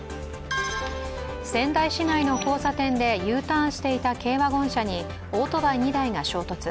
仙台市内の交差点でＵターンしていた軽ワゴン車にオートバイ２台が衝突。